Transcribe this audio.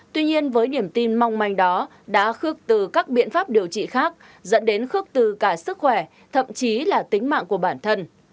tuy nhiên với niềm tin mong manh đó đã khước từ các biện pháp điều trị khác dẫn đến khước từ cả sức khỏe thậm chí là tính mạng của bản thân